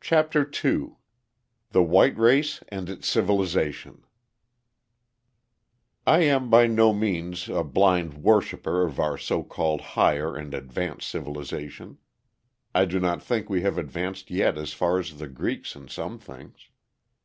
CHAPTER II THE WHITE RACE AND ITS CIVILIZATION I am by no means a blind worshiper of our so called "higher" and "advanced" civilization. I do not think we have advanced yet as far as the Greeks in some things.